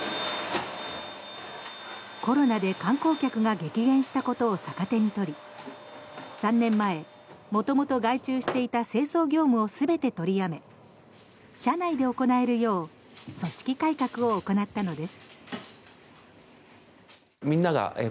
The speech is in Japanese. コロナで観光客が激減したことを逆手に取り３年前元々外注していた清掃業務を全て取りやめ社内で行えるよう組織改革を行ったのです。